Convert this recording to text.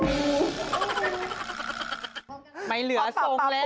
ไม่เหลือทรงแล้ว